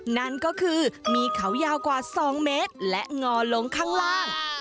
นั่นก็คือมีเขายาวกว่า๒เมตรและงอลงข้างล่าง